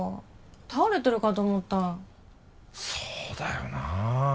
倒れてるかと思ったそうだよな